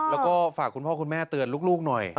แล้วก็ฝากคุณพ่อคุณแม่เตือนลูกหน่อย